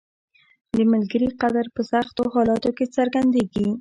• د ملګري قدر په سختو حالاتو کې څرګندیږي.